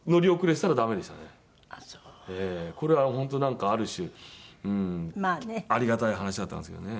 これは本当ある種ありがたい話だったんですけどね。